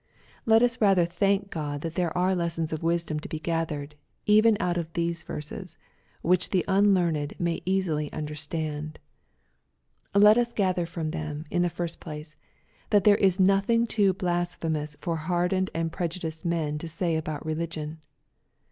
Let us rather thank God that there are lessons of wisdom to be gathered, even out of these verses, which the unlearned may easily understand. Let us gather from them, in the first place, that there is nothing too hlasphemotisfor hardened and pry'udiced men to say against religion.